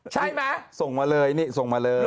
ใช่มึนส่งมาเลยส่งมาเลย